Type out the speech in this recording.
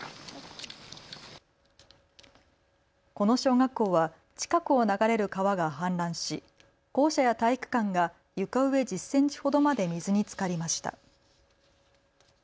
この小学校は近くを流れる川が氾濫し校舎や体育館が床上１０センチほどまで水につかりました。